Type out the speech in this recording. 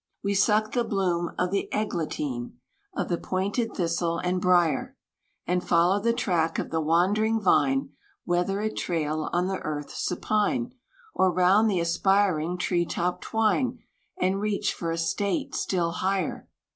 We suck the bloom of the eglantine, Of the pointed thistle and brier; And follow the track of the wandering vine, Whether it trail on the earth, supine, Or round the aspiring tree top twine, And reach for a state still higher.